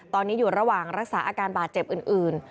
ตอนนี้อยู่ระหว่างรักษาอาการบาดเจ็บอื่น